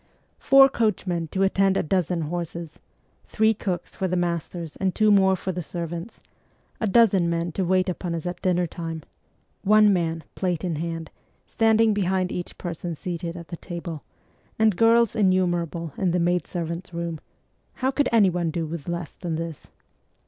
Four coachmen to attend a dozen horses, three cooks for the masters and two more for the servants, a dozen men to wait upon us at dinner time (one man, plate in hand, standing behind each person seated at the table), and girls innumerable in the maid servants' room, how could anyone do with less than this